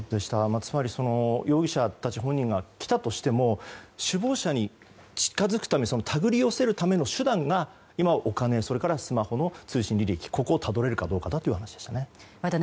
つまり、容疑者たち本人が来たとしても首謀者に近づくため手繰り寄せるための手段が今はお金、そしてスマホの通信履歴、ここを、たどれるかどうかという話でしたね。